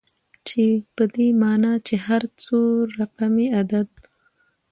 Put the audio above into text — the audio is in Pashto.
په دې معني چي هر څو رقمي عدد